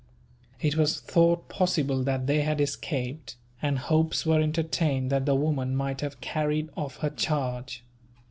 It was thought possible that they had escaped, and hopes were entertained that the woman might have carried off her charge.